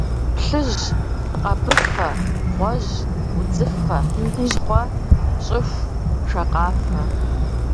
Плъыжь, къэбыфэ, гъуэжь, удзыфэ, щхъуэ, щӏыху, шакъафэ.